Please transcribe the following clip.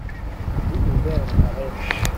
Rue de Vern à Rennes